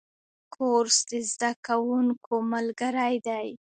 کورس د زده کوونکو ملګری دی.